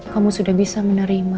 kamu sudah bisa menerima